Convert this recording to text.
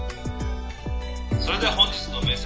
「それでは本日の面接